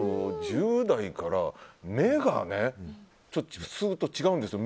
１０代から、目がね普通と違うんですよ。